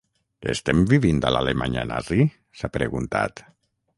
Estem vivint a l’Alemanya nazi?, s’ha preguntat.